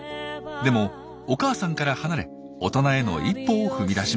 でもお母さんから離れ大人への一歩を踏み出しました。